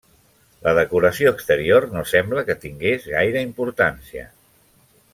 La decoració exterior no sembla que tingués gaire importància.